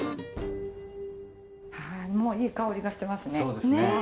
ああもういい香りがしてますね。